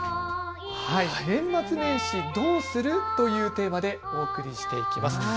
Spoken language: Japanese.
年末年始どうする？というテーマでお送りしていきます。